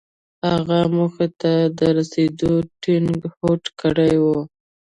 هغه موخې ته د رسېدو ټينګ هوډ کړی و.